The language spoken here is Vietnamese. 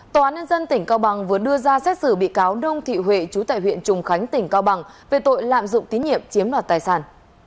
tòa án nhân dân tỉnh cao bằng vừa đưa ra xét xử bị cáo đông thị huệ chú tại huyện trùng khánh tỉnh cao bằng về tội lạm dụng tín nhiệm chiếm đoạt tài sản